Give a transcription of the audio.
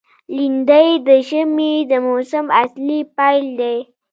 لېندۍ د ژمي د موسم اصلي پیل دی.